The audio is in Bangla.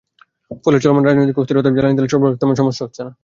ফলে চলমান রাজনৈতিক অস্থিরতায় জ্বালানি তেল সরবরাহে তেমন সমস্যা হচ্ছে না।